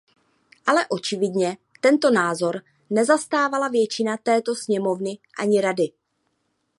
Ale očividně tento názor nezastávala většina této sněmovny ani Rady.